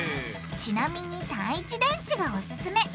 ちなみに単一電池がおすすめ！